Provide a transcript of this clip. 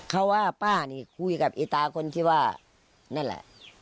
เขาว่าป้านี่คุยกับอีตาคนที่ว่านั่นแหละ